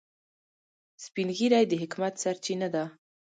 سپین ږیری د حکمت سرچینه ده